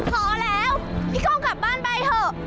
พอแล้วพี่ก้องกลับบ้านไปเถอะ